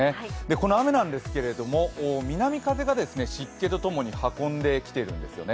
この雨なんですけれども南風が湿気とともに運んできているんですよね。